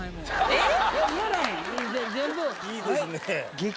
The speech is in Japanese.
えっ？